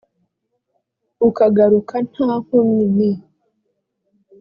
ukagaruka nta nkomyi ni